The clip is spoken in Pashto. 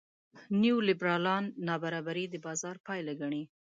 نیولېبرالان نابرابري د بازار پایله ګڼي.